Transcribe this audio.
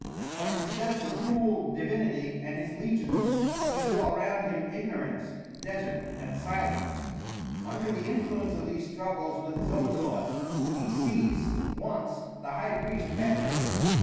But instead of the cruel divinity and his legions he saw around him ignorance, the desert, and silence. Under the influence of these struggles with his own thoughts, he seized once the high priest Mefres.